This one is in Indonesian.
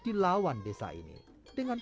dilawan desa ini dengan